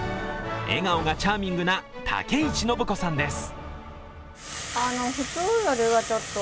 笑顔がチャーミングが武市信子さんです。